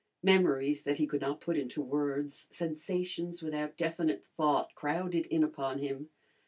Memories that he could not put into words, sensations without definite thought, crowded in upon him.